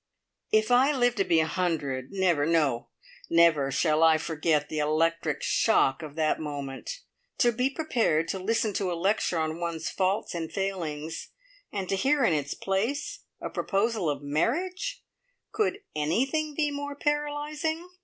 If I live to be a hundred, never no, never shall I forget the electric shock of that moment! To be prepared to listen to a lecture on one's faults and failings, and to hear in its place a proposal of marriage could anything be more paralysing?